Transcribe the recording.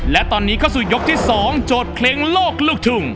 และตอนนี้เข้าสู่ยกที่๒โจทย์เพลงโลกลูกทุ่ง